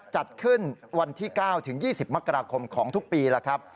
จัดขึ้นวันที่๙ถึง๒๐มกราคมของทุกปีแล้วครับ